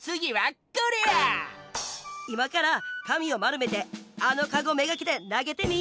いまからかみをまるめてあのカゴめがけてなげてみ！